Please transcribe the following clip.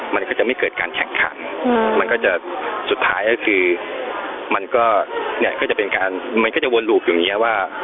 มันก็จะไม่เกิดการแข่งขันสุดท้ายก็จะเป็นการวนลูปอย่างนี้ว่า